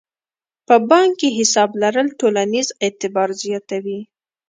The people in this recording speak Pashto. په بانک کې حساب لرل ټولنیز اعتبار زیاتوي.